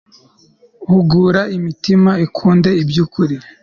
hugura imitima ikunde by'ukuri